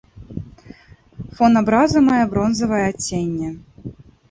Фон абраза мае бронзавае адценне.